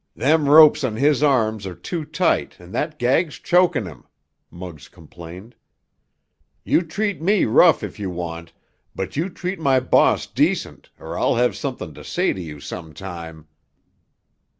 "Them ropes on his arms are too tight and that gag's chokin' him," Muggs complained. "You treat me rough if you want, but you treat my boss decent or I'll have somethin' to say to you some time."